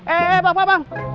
eh pak bang